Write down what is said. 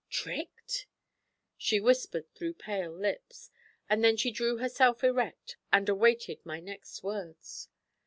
"' 'Tricked?' she whispered through pale lips, and then she drew herself erect, and awaited my next words.